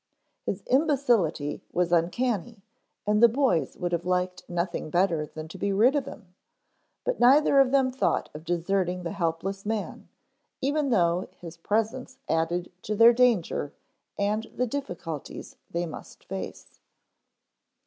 His imbecility was uncanny and the boys would have liked nothing better than to be rid of him, but neither of them thought of deserting the helpless man even though his presence added to their danger and the difficulties they must face.